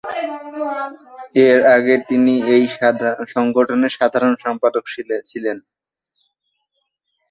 এর আগে তিনি ওই সংগঠনের সাধারণ সম্পাদক ছিলেন।